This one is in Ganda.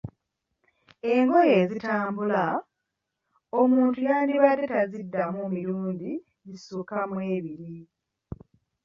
Engoye ezitambula, omuntu yandibadde taziddamu mirundi gisukka mu ebiri.